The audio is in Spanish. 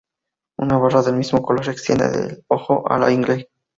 Una barra del mismo color extiende del ojo a la ingle.